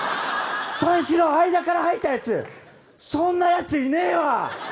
三四郎、相田から入ったやつそんなやつ、いねえわ。